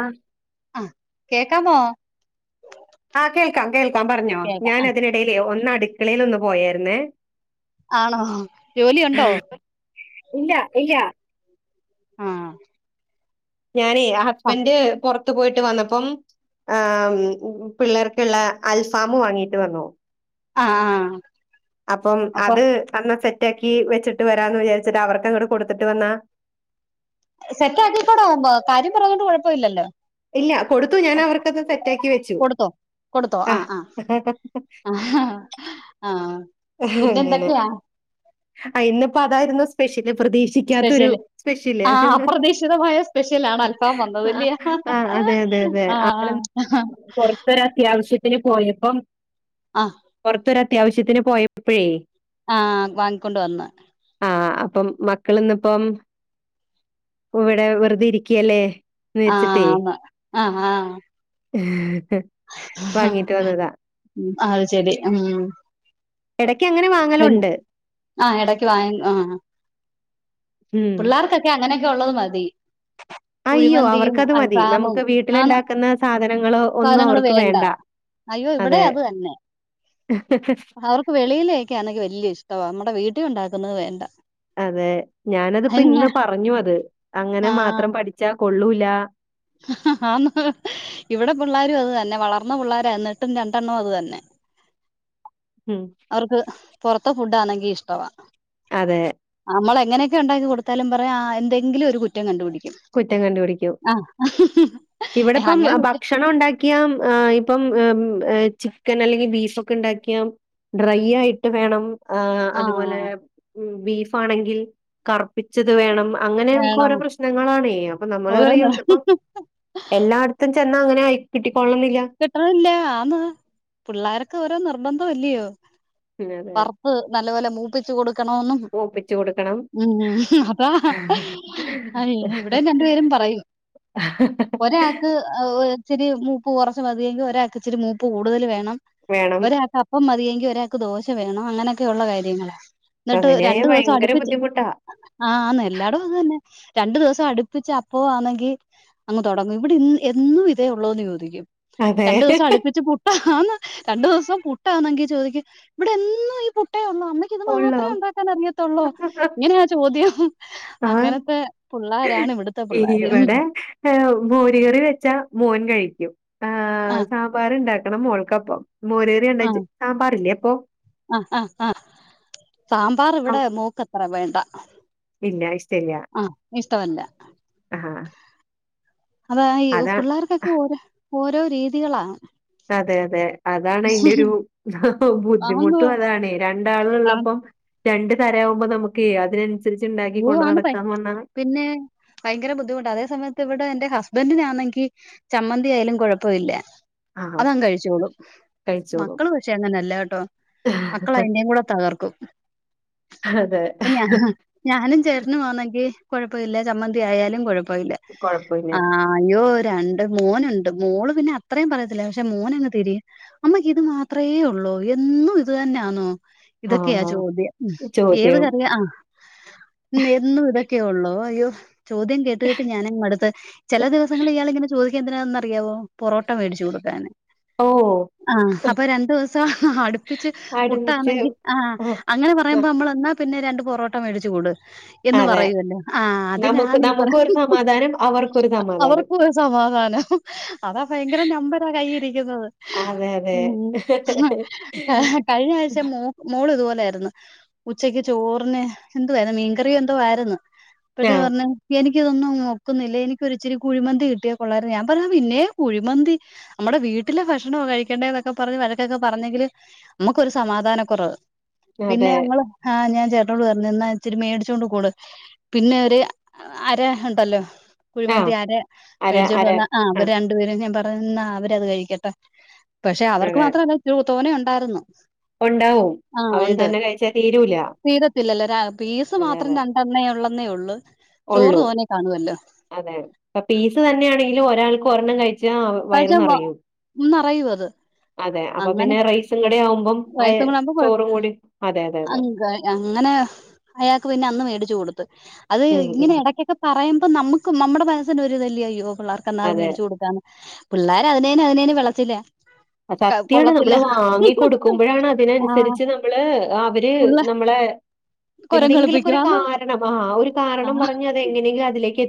ആഹ ആ കേക്കാമോ ആഹ് കേൾക്കാം കേൾക്കാം പറഞ്ഞോ ഞാൻ അതിനിടയിലേ ഒന്ന് അടുക്കളയിൽ ഒന്ന് പോയേരുന്നേ ആണോ ജോലിയുണ്ടോ ഇല്ല ഇല്ല ആഹ് ഞാനേ ഹസ്ബന്റ് പൊറത്ത് പോയിട്ട് വന്നപ്പം ആഹ് പിള്ളേർക്ക്ള്ള അൽഫാമ് വാങ്ങീട്ട് വന്നോ ആഹ് ആഹ് അപ്പം അത് തന്ന സെ റ്റേക്കി വെച്ചിട്ട് വരാന്ന് വിചാരിച്ചിട്ട് അവർക്കങ്ങട്ട് കൊടുത്തിട്ട് വന്നാ സെറ്റ് ആക്കിക്കൂട കാര്യം പറഞ്ഞോണ്ട് കൊഴപ്പ ഇല്ലല്ലോ ഇല്ല കൊടുത്തു ഞാൻ അവർക്കത് സെറ്റാക്കി വെച്ചു കൊടുത്തൊ ആ ആഹ് ആഹ് ആഹ് ആഹ് പിന്നെ എന്തൊക്കെയാ ആഹ് ഇന്ന് ഇപ്പോ അതായിരുന്നു സ്പെഷ്യലി പ്രതീക്ഷിക്കാത്തൊരു സ്പെഷ്യല് സപെഷല് ആ അപ്രതീക്ഷിതമായ സ്പെഷ്യൽ ആണ് അൽഫാം അഹ് വന്നതല്ലേ ആഹ് അതെ അതെ അതെ ആ ആളു പൊറത്തൊര് അത്യാവശ്യത്തിന് പോയപ്പം ആഹ് ഇപ്പൊരത്യാവശ്യത്തിന് പോയപ്പേയ് ആഹ് വാങ്ങിക്കൊണ്ട് വന്ന് ഇപ്പം മക്കള് ഇന്നിപ്പം ഇവിടെ വെറുതെ ഇരിക്കയല്ലേ എന്ന് വിചാരിച്ചിട്ടേ ആഹ് ആഹ് ആഹ് പണിയായിട്ട് വന്നതാ അത് ശരി ഉം എട വരും ആഹ് ഇടക്ക് വാ ആഹ് ഉം. പിള്ളാർക്കൊക്കെ അങ്ങനെയൊക്കെ ഉള്ളത് മതി അയ്യോ! കുഴിമന്തിയും അവർക്കത് മതി. അൽഫാമും നമുക്ക് ആണ് വീട്ടിലുണ്ടാക്കുന്ന സാധനങ്ങളോ ഒന്നും സാധനങ്ങള് അവർക്ക് വേണ്ട അയ്യോ അതെ, ഇവിടെയും അത് തന്നെ അവർക്ക് വെളിയിന്ന് കഴിക്കാനൊക്കെ വല്യ ഇഷ്ടവാ നമ്മടെ വീട്ടിൽ ഉണ്ടാക്കുന്നത് വേണ്ട അതെ ഞാനതിപ്പോ അതിന് ഇന്ന് ഞാൻ പറഞ്ഞു അത് അങ്ങനെ ആ മാത്രം പഠിച്ചാ കൊള്ളൂല്ല ആന്ന് ഇവിടെ പിള്ളാരും അത് തന്നെ വളർന്ന പിള്ളാരാ എന്നിട്ടും രണ്ടെണ്ണവും അത് തന്നെ ഉം. അവർക്ക് പുറത്തെ ഫുഡാണെങ്കി ഇഷ്ടവാ അതെ നമ്മള് എങ്ങനെയൊക്കെ ഉണ്ടാക്കി കൊടുത്താലും പറയും ആ എന്തെങ്കിലും ഒരു കുറ്റം കണ്ടുപിടിക്കും കുറ്റം കണ്ട് പിടിക്കും ആ ഇവിടിപ്പം അങ്ങനെ കുറ്റം ഭക്ഷണം ഉണ്ടാക്കിയാ ആ ഇപ്പം ചി ക്കൻ അല്ലെങ്കിൽ ബീഫൊക്കെ ഉണ്ടാക്കിയാ ഡ്രൈ ആയിട്ട് വേണം ആ അതുപോലെ ബീഫാണെങ്കിൽ കറുപ്പിച്ചത് വേണം അങ്ങനെയൊക്കെ വേണം ഓരോ പ്ര ശ്നങ്ങളാണേ അപ്പൊ നമ്മള് ഓരോ പറയും നിർ- ഇതിപ്പോ എല്ലായിടത്തും ചെന്നാ അങ്ങനെ ആയി കിട്ടിക്കൊള്ളണമെന്നില്ല. കിട്ടണില്ല ആന്ന് പിള്ളേർക്ക് ഓരോ നിർബന്ധം അല്ല്യയോ പിന്നെ അതെ കറുപ്പ് നല്ലപോലെ മൂപ്പിച്ച് കൊടു ക്കണോന്നും ഒപ്പിച്ചു കൊടുക്കണം. ഉം അപ്പോ ഇവിടെയും രണ്ട് പേരും പ റയും ഒരാൾക്ക് ഇച്ചിരി മൂപ്പ് കൊറച്ച് മതിയെങ്കി ഒരാൾക്ക് ഇച്ചിരി മൂപ്പ് കൂടുതൽ വേണം, വേണം. ഒരാക്ക് അപ്പം മതിയെങ്കി ങ്കി ഒരാക്ക് ദോശ വേണം, അങ്ങനെയൊക്കെയുള്ള കാര്യങ്ങളാ. ഇന്നിട്ട് അങ്ങനെയായാ രണ്ടു ദിവസം ഭയങ്കര അടുപ്പിച്ച് ബുദ്ധിമുട്ടാ. ആഹ് ആന്ന് എല്ലാടവും അത് തന്നെ. രണ്ടു ദിവസം അടുപ്പിച്ച് അപ്പോം ആന്നെങ്കി അങ്ങ് തൊടങ്ങും ഇവിടെ ഇന്ന് എന്നും ഇതേ ഒള്ളോന്ന് ചോദിക്കും, അതെ. രണ്ടു ദിവസം അടുപ്പിച്ച് പുട്ടാ ആന്ന് രണ്ടു ദിവസം പുട്ടാന്നെങ്കി ചോദിക്കും ഇവിടെ എന്നും ഈ പുട്ട് പുട്ടൊള്ളു അമ്മക്ക് ഇത് ഉള്ളോ? മാത്രമേ ഉണ്ടാക്കാൻ അറിയത്തുള്ളൂ ഇങ്ങനെയാ ചോദ്യം ആഹ് അങ്ങനത്തെ പിള്ളാരാണ് ഇവിടുത്തെ പിള്ളാര് ഉം ഇവിടെ മോരി കറി വെച്ച മോൻ കഴിക്ക ആ സാമ്പാറ ഉണ്ടാക്കണം മോൾക്കപ്പം മോരകറിയ ആ ഉണ്ടാക്കിയ സാമ്പാറില്ലേ അപ്പൊ ആ ആ ആ സാമ്പാർ ഇവിടെ മോൾക് അത്ര വേണ്ട പിന്ന ആയിഷ്ട്ടല്ല ആ ഇഷ്ടമല്ല അത ഈ പിള്ളേർക്കൊക്കെ ഓരോ ഓരോ രീതികളാ അതെ അതെ അതാണ് അതിന്റെ ഒരു ആന്ന് ബുദ്ധിമുട്ടും അതാണ് ആണ് രണ്ടാളുകളുള്ളപ്പോ രണ്ട് തരം ആവുമ്പോ നമുക്ക് അതിനനുസരിച്ചു ഓ ആന്ന് പിന്നെ ഭയങ്കര ബുദ്ധിമുട്ട് അതേ സമയത്ത് ഇവിടെ എന്റെ ഹസ്‌പെന്റിനു ആണെങ്കിൽ എ ചമ്മന്തി ആയാലും കുഴപ്പമില്ല ആഹ് അതങ്ങ് കഴിച്ചോളും കഴിച്ചോളും മക്കള് പക്ഷേ അങ്ങനെല്ല കേട്ടോ മക്കൾ അയിന്റെയും കൂടെ തകർക്കും അതെ ഞാൻ ഞാനും ചേട്ടനുംമാണെങ്കി കുഴപ്പമില്ല ചമ്മന്തിയാലും കുഴപ്പില്ല കൊഴപ്പല്ല ആ അയ്യോ ണ്ട് മോനുണ്ട് മോള് പിന്നെ അത്രയും പറയത്തില്ല പക്ഷെ മോനു അങ്ങ് തിരിയും അമ്മക്ക് ഇത് മാത്രമേ ഉള്ളൂ ഓ എന്നും ഇത് തന്നെയാന്നോ ഇതൊക്കെയാ ആഹ് ചോദ്യം ഏത് ചോദ്യം കറിയ ആ എന്നും ഇതൊക്കെ ഒക്കെ ഉള്ളോ അയ്യോ ചോദ്യം കേട്ട് കേട്ട് ഞാൻ അങ്ങ് മടുത്ത് ചില ദിവസങ്ങളിൽ ഇയാൾ ഇങ്ങനെ ചോ എന്തിനാന്ന അറിയാവോ പൊറോട്ട മേടിച്ച് കൊടുക്കാാന് ഓ ആ് അപ്പൊ രണ്ടു ദിവസം അടുപ്പിച്ച് അടുമിച്ച് പുട്ടാണെങ്കിൽ ആഹ ആഹ് അങ്ങനെ പറയുമ്പോ നമ്മൾ പിന്നെ രണ്ട് പൊറോട്ട മേടിച്ചു കൊടു എന്ന് അതെ പറയൂല്ലോ ആഹ നമുക്ക് അതിനാണ് ഈ നമുക്കും ഒരു പറയുന്ന സമാധാനം അവർക്കൊരു സമാധാനം. അവർക്ക് ഒരു സമാധാനം ആകും അതാ ഭയങ്കര നമ്പരാ കയ്യിൽ ഇരിക്കുന്നത് അതെ അതെ. കഴിഞ്ഞ ആഴ്ച മോള് ഇതുപോലെ രുന്നു ഉച്ചക്ക് ചോറിന് എന്തുവായിരുന്ന മീൻകറി എന്തോ ആരുന്നു അപ്പത്തെ ആഹ് പറഞ്ഞ എനിക്ക് എനിതൊന്നും നോക്കുന്നില്ല എനികൊരിച്ചിരി കുഴിമന്തി കിട്ടിയ കൊള്ളായിരുന്നു ഞാൻ പറ പിന്നെ കുഴിമന്തി കുഴിമന്തി വീട്ടിലെ ഭക്ഷണം കഴിക്കണ്ടേ എന്നൊക്കെ പറഞ്ഞ് വഴക്കൊക്കെ പറഞ്ഞെങ്കില് നമുക്കൊരു സമാധാന കുറവ് പിന്നെ അതെ. ഞങ്ങള് ആഹ് ഞാൻ ചേട്ടനോട് പറഞ്ഞു നിന്ന ഇത്തിരി മേടിച്ചോണ്ട് കൊടു പിന്നെ ഒരു അര ഉണ്ടല്ലോ ആഹ് കുഴിമന്തി ആരെ അര മേടിച്ചോണ്ട് അര വന്ന ആ അവര് ആഹ് രണ്ടു പേരും ഞാൻ പറഞ്ഞുന്നാ അവരത് കഴിക്കട്ടെ പക്ഷെ അവർക്ക് അതെ. മാത്ര അല്ല തോന്നെ ഉണ്ടായിരുന്നു ഉണ്ടാവും അവര് തന്നെ കഴിച്ചാൽ തീരൂല ഇല്ലല്ല പീസ് മാത്രം രണ്ടണേ ഉള്ളന്നേ ഉള്ളൂ ചോറ് ഉള്ളൂ തോനെ കാണുവല്ലോ അതെ അപ്പ പീസ് തന്നെയാണെങ്കിലും ഒരാൾക്ക് ഒരെണ്ണം കഴ ച്ചാ കഴിച്ചാ വ വയറ്നറയും നിറയും അത് അപ്പോ അങ്ങനെ പിന്നെ റയിസ് ഇങ്ങടെ പ്പം ആയേ ചോറും കൂടി ആ അങ്ക അങ്ങനെ അയാൾക്ക് പിന്നെ അന്ന് മേടിച്ചു കൊടു അത് ഉം ഇങ്ങനെ ഉം. ഇടയ്ക്കൊക്കെ പറയുമ്പം നമുക്ക് നമ്മുടെ മനസ്സിന്റെ ഒരുരിതല്യയോ പിള്ളേർക്ക് അല്ലാതെ അതെ. മേടിച്ച കൊടുക്കന്ന് പിള്ളേര് അതിനേന് അതിനേന് വിളച്ചില് സത്യാണ് നമ്മള് വാങ്ങി കൊ ക്കുമ്പോഴാണ് ആഹ് അതിനനുസരിച്ച് നമ്മള് അവര് പുള്ള നമ്മളെ കൊരങ്ങ് എന്തെങ്കിലൊക്കെ ഒരു കളിപ്പിക്കുവാന്ന് കാരണം ആ ഒരു കാരണം ആഹ് പറഞ്ഞ് അത് എങ്ങനെങ്കിലും അതിലേക്ക് എ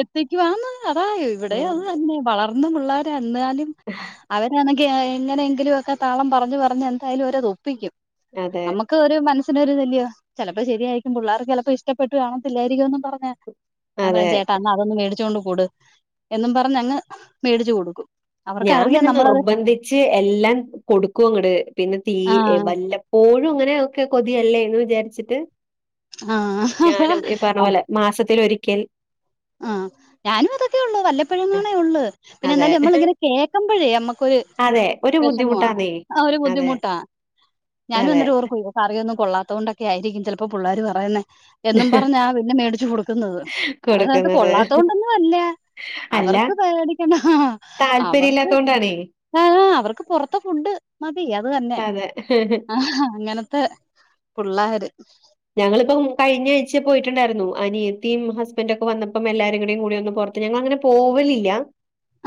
എത്തിക്കുവാന്ന് ഒന്ന്പറ ഇവിടെയും ഉം. അത് തന്നെ വളർന്ന് പിള്ളാ എന്നാലും അവരാണെങ്കി എങ്ങനെയെങ്കിലും ഒക്കെ താളം പറഞ്ഞു പറഞ്ഞ് എന്തായാലും അവരത് ഒപ്പിക്കും അതെ നമുക്ക് ഒരു മന [unintelligible] ഇല്ലിയോ ചിലപ്പോ ശരിയായിരിക്കും പിള്ളേർക്ക് ചിലപ്പോ ഇഷ്ടപ്പെട്ടു കാണത്തില്ലായിരിക്കുന്നും പറഞ്ഞ് അതെ മേടിച്ചൊണ്ട് കൊട് എന്നും പറഞ്ഞ് അങ്ങ് മേടിച്ചു കൊടുക്കും ഞാൻ അവർക്കറിയാം പിന്നെ നമ്മളത് നിർബന്ധിച്ച് എല്ലാം കൊടുക്കും അങ്ങട് പിന്നെ തീ ആഹ് വല്ലപ്പോ ഴും അങ്ങനെ ഒക്കെ കൊതിയല്ലേ എന്ന് വിചാരിച്ചിട്ട് ആഹ് അപ്പ ഞാനും ഈ പറഞ്ഞ പോലെ മാസത്തിൽ ഒരിക്കൽ ആ ഞാനും അതൊക്കെ ഉള്ളു വല്ലപ്പലങ്ങളേ ഉള്ളൂ പിന്നെ അതെ എന്തായാലും നമ്മള് ഇങ്ങനെ കേക്കമ്പഴേ നമ്മക്കൊരു അതെ ഒരു വിഷമവാ ബുദ്ധിമുട്ടാന്നേ. ആ ഒരു അതെ ബുദ്ധിമുട്ടാ ഞാനും അതെ അന്നേരം ഓർക്കും കറിയൊന്നും കൊള്ളാത്ത കൊണ്ടക്കെ ആയിരിക്കും ചിലപ്പോ പിള്ളര് പറയുന്നേ എന്നും പറഞ്ഞാ പിന്നെ മേടിച്ചു കൊടുക്കുന്നത് അതാത് കൊടുക്കുന്നത്. കൊള്ളാത്ത കൊണ്ടൊന്നും അല്ല അല്ല അവർക്ക് മേടിക്കണം താല്പര്യം അവർക്ക് ഇല്ലാത്തോണ്ടാണേ. ആ അവർ ക്ക് പൊറത്തെ ഫുഡ് മതി അത് തന്നെ അതെ ആ അങ്ങനത്തെ പിള്ളേര് ഞങ്ങളിപ്പം കഴിഞ്ഞ ആഴ്ച പോയിട്ടിണ്ടായിരുന്നു അനിയത്തിയും ഹസ്ബന്റ് ഒക്കെ വന്നപ്പം എല്ലാരും കൂടെ കൂടിയൊന്ന് പൊറ ത്ത് ഞങ്ങളങ്ങനെ പോവലില്ല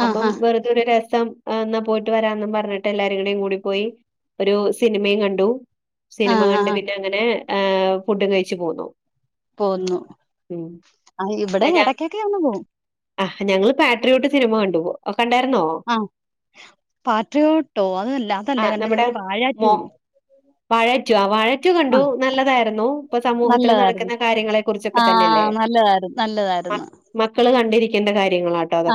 അപ്പം ആഹാ വെറുതെ ഒരു ര സം എന്നാ പോയിട്ട് വരാന്നും പറഞ്ഞിട്ട് എല്ലാരെയും കൂടി പോയി ഒരു സിനിമയും കണ്ടു സിനിമ ആഹ് കണ്ട് ആഹ് പിന്നങ്ങനെ ഫുഡ് കഴിച്ചു പോന്നു പോന്നു ഉം. ആ ഇവിടെ ഞ ഇടക്കൊക്കെ ഒന്ന് പോവും ആ ഞങ്ങള് പാട്രിയോട്ട് സിനിമ കണ്ടു പോ ആ പാട്രിയോട്ടോ അതല്ല അതല്ല ആഹ് കണ്ട ഞങ്ങള് വാഴ റ്റൂ വഴ റ്റൂ ആ വഴ റ്റൂ കണ്ടു നല്ലതായിരു ന്നു ഇപ്പം സമൂഹത്തിൽ നല്ലതാ നടക്കുന്ന കാര്യാങ്ങളെ കുറിച്ചെക്കെ തന്നെ അല്ലേ ആഹ് നല്ലതായിരുന്നു മക് നല്ലതായിരുന്നു മക്ക ള് കണ്ടിരിക്കേണ്ട കാര്യം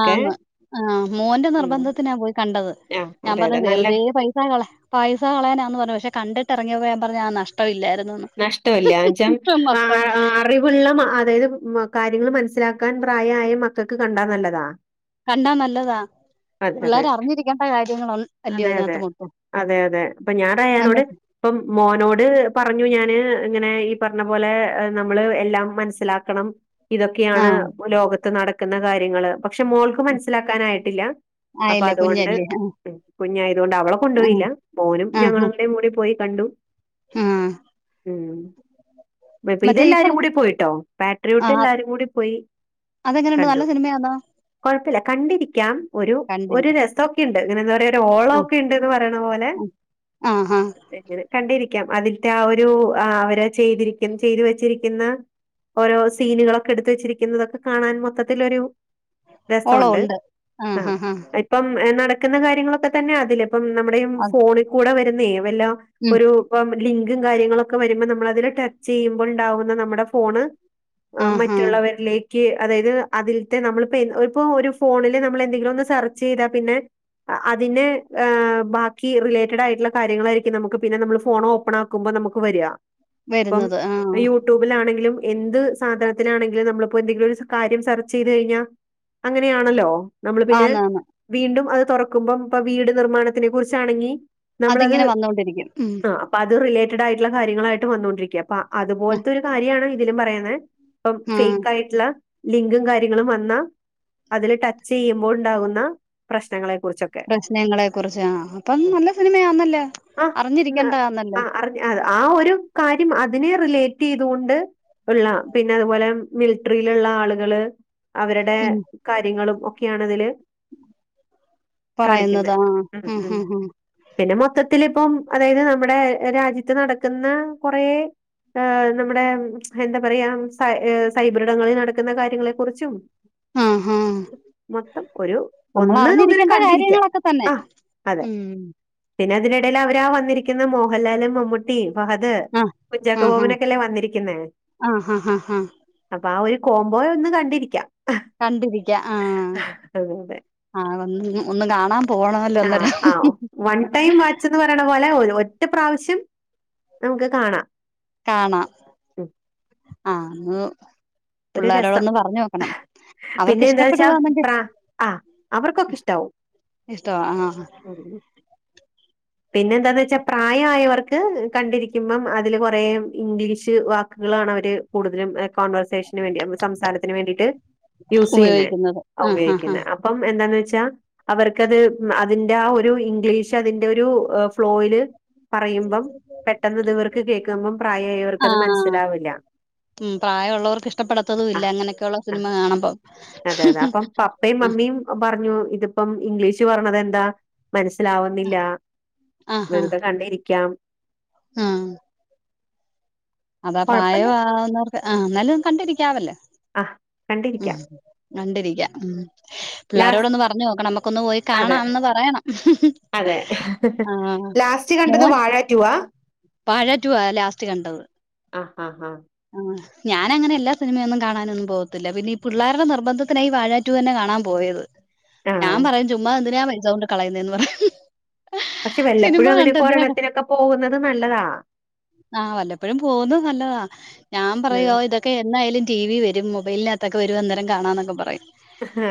ആന്ന് ആ മോൻ്റെ ഉം. നിർബന്ധത്തിനാ പോയി കണ്ടത് ആഹ് ഞാൻ അതെ പറഞ്ഞു അതെ നല്ല വെറുതെ പൈസ കള പൈസ കളയാനാന്ന് പറഞ്ഞു പക്ഷേ കിട്ട ഇറങ്ങിപ്പോ ഞാൻ പറഞ്ഞ ആ നഷ്ട ഇല്ലാരുന്ന് നഷ്ടവില്ല എന്ന്വെച്ച അ അറിവുള്ള മ അതായത് കാര്യങ്ങള് മന സ്സിലാക്കാൻ പ്രായായ മക്കക്ക് കണ്ടാ നല്ലതാ കണ്ടാ നല്ലതാ അതെ അതെ പിള്ളേര് അറിഞ്ഞിരിക്കേണ്ട കാര്യങ്ങള അല്ലയോ അതെ അതെ അതിനകത്ത് മൊത്തം അതെ അതെ അപ്പൊ ഞാൻ നല്ല റയ്യാനോട് ഇപ്പം മോനോട് പറഞ്ഞു ഞാൻ ഇതില് ഇങ്ങനെ ഈ പറഞ്ഞ പോലെ നമ്മള് എല്ലാം മനസ്സിലാക്കണം ഇതൊക്കെയാണ് ആഹ് ലോകത്ത് നടക്കുന്ന കാര്യങ്ങള് പക്ഷെ മോൾക്ക് മനസ്സിലാക്കാനായിട്ടില്ല അപ്പ ആയില്ലേ അതുകൊണ്ട് കുഞ്ഞല്ലേ ഉം കുഞ്ഞായത്കൊണ്ട് അവളെ ആഹ് കൊണ്ടുപോയില്ല മോനും ഞങ്ങളുടെയും കൂടെ പോയി കണ്ടു ആഹ് ഉം ഇപ്പ പറ ഇതെല്ലാരും കൂടി പോയിട്ടോ പാട്രിയോട്ട് എല്ലാരും കൂടി പോയി അതെങ്ങനുണ്ട് കണ്ടു നല്ല സിനിമയാന്നൊ കൊഴപ്പില്ല കണ്ടിരിക്കാം ഒരു ഒരു കണ്ടിരിക്കാം രസൊക്കെണ്ട് ഇങ്ങനെ എന്താ പറയ ഒരു ആ ഓളോക്കെണ്ട്ന്ന് പറയണ പോലെ ആ ആഹാ എങ്ങനെ കണ്ടിരി ക്കാം അതിൽത്തെ ആ ഒരു അവര് ചെയ്തിരിക്കു ചെയ്തു വെച്ചിരിക്കുന്ന ഓരോ സീനുകളൊക്കെ എടുത്ത് വെച്ചിരിക്കുന്നതൊക്കെ കാണാൻ മൊത്തത്തിലൊരു ഓളോണ്ട് ആഹ് ആ ഇപ്പം നടക്കുന്ന കാര്യങ്ങളൊക്കെ തന്നെ അതില് ഇപ്പം നമ്മുടെ ഈ അത് ഫോണി കൂടെ വരുന്നേ വല്ല ഉം ഒരു ഇപ്പം ലി ങ്കും കാര്യങ്ങളൊക്കെ വരുമ്പോ നമ്മളതില് ടച്ച് ചെയ്യുമ്പോൾ ഉണ്ടകുന്ന നമ്മുടെ ഫോണ് ആഹ് ആഹാ മറ്റുള്ളവരിലേക്ക് അതായത് അതിലത്തെ നമ്മളിപ്പോ ഏഹ് ഒരു പോ ഒരു ഫോണില് നമ്മള് എ ന്തെങ്കിലും ഒന്ന് സർച്ച് ചെയ്താ പിന്നെ അതിനെ ഏഹ് ബാക്കി റിലേറ്റഡ് ആയിട്ടുള്ള കാര്യങ്ങളായിരിക്കും നമുക്ക് പിന്നെ നമ്മൾ ഫോൺ ഓപ്പൺ ആക്കുമ്പ നമ്മക്ക് വരിക ഇപ്പം വരുന്നത് ആ യുടൂബിലാണെങ്കിലും എന്ത് സാധനത്തിലാണെങ്കിലും നമ്മളിപ്പോ എന്തെങ്കിലും ഒരു കാര്യം സ സെർച്ച് ചെയ്ത് കഴിഞ്ഞാൽ അങ്ങനെയാണല്ലോ നമ്മള് പിന്നെ ആന്നാന്ന് വീണ്ടും അത് തുറക്കുമ്പം ഇപ്പ വീട് നിർമ്മാണത്തിനെ കുറിച്ചാണെങ്കി നമ്മളത് അതിങ്ങനെ വന്നോണ്ടിരിക്കും ഉം ആഹ് അപ്പ അത് റിയെ റ്റഡായിട്ടുള്ള കാര്യങ്ങളായിട്ട് വന്നൊണ്ടിരിക്ക അപ്പ അതുപോലത്തെരു കാര്യാണ് ഇതിലും പറയുന്നെ ഇപ്പം ആ ഫേക്ക് ആയിട്ടുള്ള ലിങ്കും കാര്യങ്ങളും വന്നാ അതില് ടച്ച് ചെയ്യുമ്പോൾ ഉണ്ടാകുന്ന പ്രശ്നങ്ങളെ കുറിച്ചൊക്കെ പ്രശ്നങ്ങളെ കുറിച്ച് ആഹ് അപ്പം അത് നല്ല സിനിമയാന്നല്ലോ ആ ആ അറിഞ്ഞിരിക്കേണ്ടതാന്നല്ലോ അറിഞ്ഞ ആ ഒരു കാര്യം അതിനെ റിലേറ്റ് ചെയ്തുകൊണ്ട് ഉള്ള പിന്നെ അതുപോലെ മിലിട്ടറിയിലുള്ള ആളുകള് അവരുടെ ഉം കാര്യങ്ങളും ഒക് ഒക്കെയാണിതില് കാണിക്കുന്നെ പറയുന്നത് ആ ഉം ഉം പിന്നെ മൊത്തത്തിൽ ഇപ്പം അതായത് നമ്മുടെ ഏഹ് രാജ്യത്ത് നടക്കുന്ന കുറേ ഏഹ് നമ്മുടെ എന്താ പറയാ സൈ സൈബറിടങ്ങളിൽ നടക്കുന്ന കാര്യങ്ങളെ കുറിച്ചും ആഹ് ആഹ് മൊത്തം ഒരു ഒന്ന് ഒന്നിനെ കണ്ടിരിക്കാ കാര്യങ്ങളൊക്കെ തന്നെ ആഹ് അതെ ഉം പിന്നെ അതിനിടയില് അവരാ വന്നിരിക്കുന്ന മോഹൻലാലും മമ്മൂട്ടിം അപ്പൊ അത് ആ കുഞ്ചാക്കോ ആഹാ ബോബനൊക്കെല്ലേ വന്നിരിക്കുന്നേ ആഹാഹാ അപ്പൊ ആ ഒരു കോംബോയൊന്ന് കണ്ടിരിക്കാം കണ്ടിരിക്ക ആഹ് അത അതെ ഒന്ന് കാണാൻ പോണമല്ലോ ഒന്നര ആഹ് ആഹ് വൺ ടൈം വാച്ച് എന്ന് പറയണ പോളെ ഒര് ഒറ്റ പ്രാവശ്യം നമുക്ക് കാണാം കാണാം ഉം. ആഹ് ന്ന് ഒരു രസം പിള്ളോരോടൊന്ന് പറഞ്ഞു നോക്കണം അവർക്ക് പിന്നെ എന്താ വെച്ചാ ഇഷ്ടപ്പെടുവാന്നെങ്കിൽ പ്ര ആഹ് അവർക്കൊക്കെ ഇഷ്ടാവും ഇഷ്ടവാ ആഹ് ആഹ് ഉം. പിന്നെ എന്താന്ന് വെച്ചാ പ്രായായവർക്ക് കണ്ടിരിക്കുമ്പം അതില് കുറെ ഇംഗ്ലീഷ് വാക്കുക ള്ളാണ് അവര് കൂടുതലും കോൺവെർസേഷന് വേണ്ടി സംസാരത്തിന് വേണ്ടിട്ട് യൂസ് ചെയ്യുന്നെ ഉപയോഗിക്കുന്നത് ആഹ് ഹാ ഹാ ഉപയോഗിക്കുന്നെ അപ്പം എന്താന്ന് വെച്ച ച്ചാ അവർക്കത് ഉം അതിന്റെ ആ ഒരു ഇംഗ്ലീഷ് അതിന്റെ ഒരു ഫ്ലോയില് പറയുമ്പം പെട്ടെന്ന് ഇത് ഇവർക്ക് കേൾക്കുമ്പം പ്രായായവർക്ക് അത് ആഹ് മനസ്സിലാവില്ല ഉം പ്രായോള്ളവർക്ക് ഇഷ്ടപ്പെടത്തതും ഇല്ല ആഹ് അങ്ങനെയൊക്കെയുള്ള ആഹ് സിനിമ കാണുമ്പം ആഹ് മിം പറഞ്ഞു ഇത് ഇപ്പം ഇംഗ്ലീഷ് പറഞ്ഞത് എന്താ മനസ്സിലാവുന്നില്ല ആഹ് ഹാ വെറുതെ കണ്ടിരിക്കാം ആഹ് അതാ കൊഴപ്പല്ല പ്രായമാവുന്നവർക്ക് ആ എന്നാലും കണ്ടിരിക്കാവല്ലേ ആഹ് ഉം കണ്ടിരിക്കാം കണ്ടിരിക്കാം ലാസ് പിള്ളോരോടൊന്ന് പറഞ്ഞു നോക്കണം നമുക്കൊന്ന് പോയി അതെ കാണാംന്ന് പറയണം അതെ ആഹ ലാസ്റ്റ് കണ്ടത് വാഴ റ്റു വാ വാഴ റ്റു വാ ലാസ്റ്റ് കണ്ടത് ആഹ് ആഹ ആഹ ഞാന അങ്ങനെയല്ലാ സിനിമയൊന്നും കാണാനൊന്നും പോവത്തില്ല പിന്നെ ഈ പിള്ളേരുടെ നിർബന്ധത്തിനാ വാഴ റ്റു തന്നെ കാണാൻ പോയത് ആഹ് ഞാൻ പറയും ചുമ്മാ എന്തിനാ പൈസ കൊണ്ട് കളയുന്നേന്ന് പറയും പക്ഷെ വല്ലപ്പോഴും അങ്ങനെയൊക്കെ ഒരണത്തിനൊക്കെ പോകുന്നത് ന ആഹ് വല്ലപ്പോഴും പോകുന്നത് നല്ലതാ ഞാൻ ഉം പറയുവ ഓ ഇതൊക്കെ എന്നായാലും ടീവി ടി വി വരും മൊബൈൽനത്ത് വരും അന്നേരം കാണാം എന്നൊക്കെ പറയും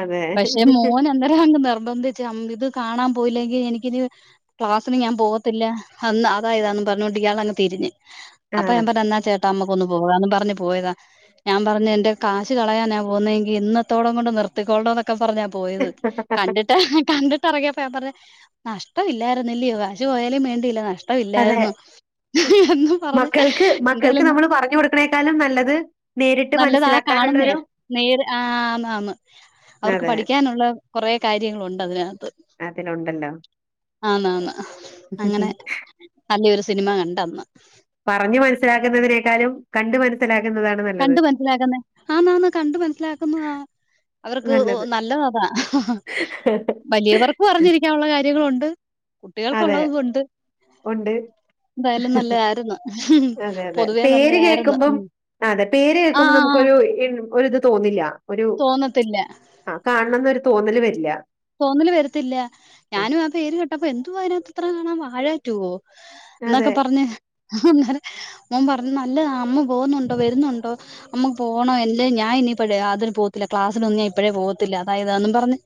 അതെ പക്ഷെ മോൻ എന്തേര എന്തോ നിർബന്ധിച്ച് അ ഇത് കാണാൻ പോയില്ലെങ്കിൽ എനിക്കിനി ക്ലാസിന് ഞാൻ പോകത്തില്ല അന്ന് അതായിത എന്ന് പറഞ്ഞോണ്ട് ഇയാൾ അങ് തിരിഞ്ഞ് ആ അപ്പൊ ഞാൻ പറഞ്ഞു എന്ന ചേട്ടാ ട്ടാ നമുക്കൊന്ന് പോകാം എന്ന് പറഞ്ഞ് പോയതാ ഞാൻ പറഞ്ഞു എന്റെ കാശ് കളയാനാ പോകുന്നതെങ്കി ഇന്നത്തോളം കൊണ്ട് നിർ നിർത്തിക്കൊള്ളണം എന്നൊക്കെ പറഞ്ഞ പോയത് കണ്ടിട്ട് കണ്ടിട്ട് ഇറങ്ങിയ പേപ്പ നഷ്ട ഇല്ലായിരുന്ന അല്ലയോകാശ് പോയാലും വേണ്ടില്ല നഷ്ടം അതെ ഇല്ലായിരുന്നു ഉം എന്നും പറഞ്ഞ് മക്കൾക്ക് മക്കൾക്ക് എന്തായാലും നമ്മള് പറഞ്ഞു കൊടുക്കണേക്കാളും നല്ലത് നേരിട്ട് നല്ലതാ മനസ്സിലാക്കാനുള്ളൊരു കാണുന്നയാ നേര് ആ ആന്ന് ആന്ന് അവർക്ക് അതെ പഠിക്കാനുള്ള കുറെ കാര്യങ്ങളുണ്ട് അതിന അതിലുണ്ടല്ലോ. ആന്ന് ആന്ന് അങ്ങനെ നല്ലൊരു സി സിനിമ കണ്ടന്ന് പറഞ്ഞു മനസ്സിലാക്കുന്നതിനേക്കാളും കണ്ടു മനസ്സിലാ കണ്ട് മനസ്സിലാക്കുന്ന ആന്ന് ആന്ന് കണ്ടു മനസ്സിലാക്കുന്നതാ അവർക്ക് നല്ലത് അതാ വലിയവർക്ക് പറഞ്ഞിരിക്കാനുള്ള കാര്യങ്ങളു അതെ കുട്ടികൾക്കുള്ളത് ഉണ്ട് ഉണ്ട് അതെ അതെ പൊതുവേ പേര് നല്ലതായിരുന്നു. കേക്കുമ്പോ അതെ പേര് ആ കേൾക്കുമ്പോ ആ നമുക്കൊരു ഒരു ഇത് തോന്നില്ല ഒരു തോന്നത്തില്ല. ആ കാണണന്നൊരു തോന്നല് വരില്ല തോന്നല് വരത്തില്ല ഞാനും ആ പേര് കേട്ടപ്പോ എന്തുവാ അതിനകത്ത് ഇത്ര കാണാൻ വാഴാ റ്റു വോ അതെ. എന്നൊക്കെ പറഞ്ഞ് അന്നേരം ഓൻ പറഞ്ഞു നല്ലതാ അമ്മ പോകുന്നുണ്ടോ വരുന്നുണ്ടോ അമ്മ പോണം അല്ലേ ഞാൻ ഇനി എപ്പോഴാ അതിന് പോ ത്തില്ല ക്ലാസ്സിലൊന്നും ഞാൻ ഇപ്പോഴേ പോകത്തില്ല അതായതന്നും പറഞ്ഞ്